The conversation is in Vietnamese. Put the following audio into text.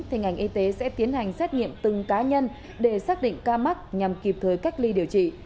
thì ngành y tế sẽ tiến hành xét nghiệm từng cá nhân để xác định ca mắc nhằm kịp thời cách ly điều trị